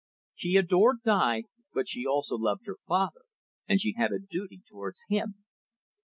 She adored Guy, but she also loved her father, and she had a duty towards him.